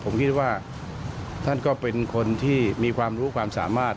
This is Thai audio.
ผมคิดว่าท่านก็เป็นคนที่มีความรู้ความสามารถ